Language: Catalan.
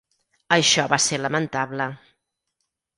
Això va ser lamentable!